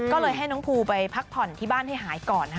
ก็เลยให้น้องภูไปพักผ่อนที่บ้านให้หายก่อน